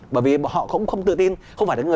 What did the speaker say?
bởi vì họ cũng không tự tin